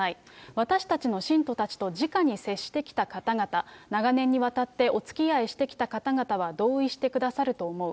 私たちの信徒たちとじかに接してきた方々、長年にわたっておつきあいしてきた方々は同意してくださると思う。